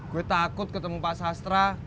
gue takut ketemu pak sastra